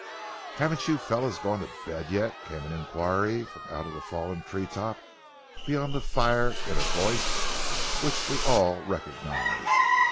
"Haven't you fellows gone to bed yet?" came an inquiry from out of a fallen tree top beyond the fire in a voice which we all recognized.